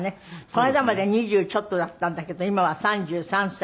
この間まで２０ちょっとだったんだけど今は３３歳。